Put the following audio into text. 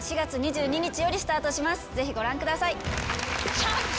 ぜひご覧ください。